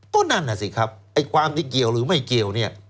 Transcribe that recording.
ก็นั่นน่ะสิครับไอ้ความที่เกี่ยวหรือไม่เกี่ยวเนี่ย